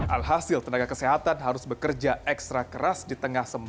alhasil tenaga kesehatan harus bekerja ekstra keras di tengah semangat